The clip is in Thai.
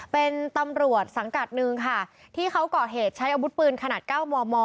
เป็นตำรวจสังกัดหนึ่งค่ะที่เขาก่อเหตุใช้อาวุธปืนขนาด๙มม